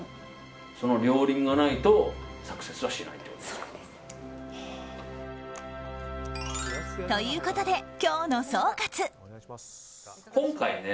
その両輪がないとサクセスはしないということですね。